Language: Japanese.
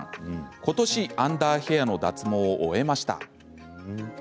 ことし、アンダーヘアの脱毛を終えました。